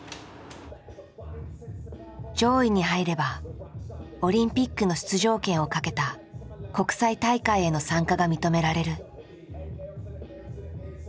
上位に入ればオリンピックの出場権をかけた国際大会への参加が認められる。